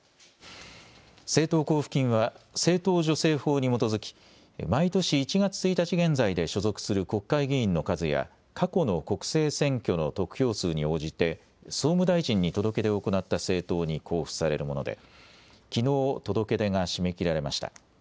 政党交付金は政党助成法に基づき毎年１月１日現在で所属する国会議員の数や過去の国政選挙の得票数に応じて総務大臣に届け出を行った政党に交付されるものできのう届け出が締め切られました。